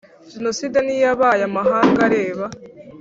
jenoside ntiyabaye amahanga areba?